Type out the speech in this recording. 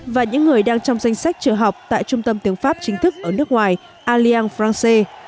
và những người đang trong danh sách trở học tại trung tâm tiếng pháp chính thức ở nước ngoài allianz francais